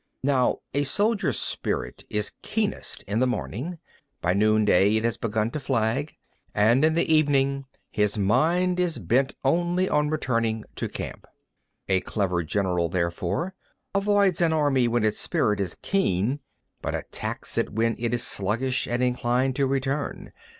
28. Now a soldier's spirit is keenest in the morning; by noonday it has begun to flag; and in the evening, his mind is bent only on returning to camp. 29. A clever general, therefore, avoids an army when its spirit is keen, but attacks it when it is sluggish and inclined to return.